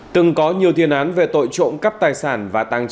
từng có nhiều thiên án về tội trộm cắp tài sản và tăng